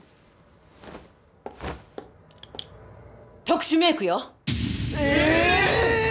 特殊メークよ！え！？